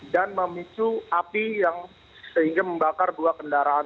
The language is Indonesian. dan memicu api yang sehingga membakar dua kendaraan